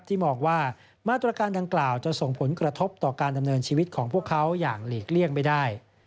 มองว่ามาตรการดังกล่าวจะส่งผลกระทบต่อการดำเนินชีวิตของพวกเขาอย่างหลีกเลี่ยงไม่ได้